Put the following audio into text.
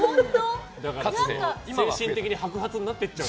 精神的に白髪になっていっちゃう。